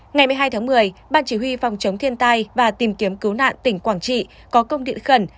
ngày một mươi hai tháng một mươi ban chỉ huy phòng chống thiên tai và tìm kiếm cứu nạn tỉnh quảng trị có công điện khẩn